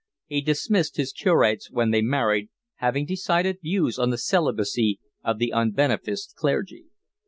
He dismissed his curates when they married, having decided views on the celibacy of the unbeneficed clergy.